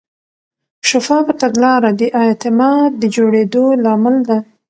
شفافه تګلاره د اعتماد د جوړېدو لامل ده.